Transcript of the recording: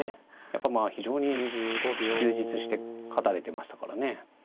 やっぱまあ非常に充実して勝たれてましたからね。